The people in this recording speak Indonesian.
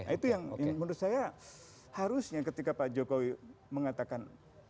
itu yang menurut saya harusnya ketika pak jokowi mengatakan